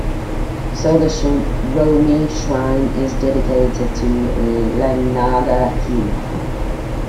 So the Shiromi shrine is dedicated to Ihanaga-Hime.